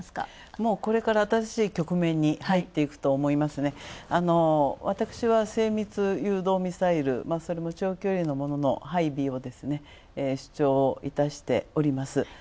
もうこれから新たしい局面に入って私は精密誘導ミサイルそれも長距離のものの配備を主張いたしております。